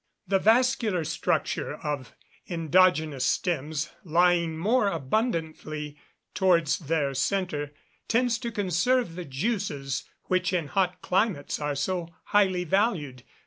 The vascular structure of endogenous stems lying more abundantly towards their centre, tends to conserve the juices which in hot climates are so highly valued.